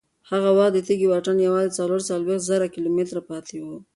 هغه وخت د تېږې واټن یوازې څلور څلوېښت زره کیلومتره پاتې و.